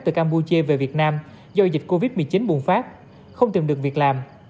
từ campuchia về việt nam do dịch covid một mươi chín bùng phát không tìm được việc làm